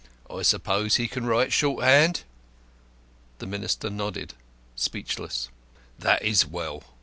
I suppose he can write shorthand." The Minister nodded, speechless. "That is well.